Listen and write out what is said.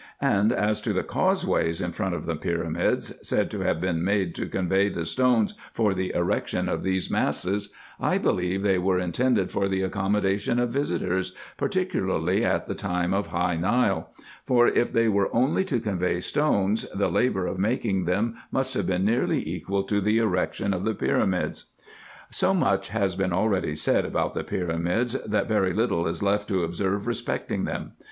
And as to the causeways in front of the pyramids, said to have been made to convey the stones for the erection of these masses, I believe they were in tended for the accommodation of visitors, particularly at the time of high Nile ; for if they were only to convey stones, the labour of making them must have been nearly equal to the erection of the pyramids. So much has been already said about the pyramids, that very little is left to observe respecting them.